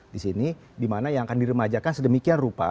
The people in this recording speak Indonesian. disini dimana yang akan diremajakan sedemikian rupa